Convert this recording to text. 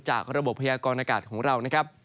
จากระบบพระยากรนการ์ดของเรา